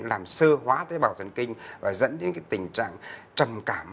làm sơ hóa tế bào thần kinh và dẫn đến tình trạng trầm cảm